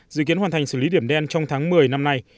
dự kiến hoàn thành xử lý điểm đen trong tháng một mươi năm nay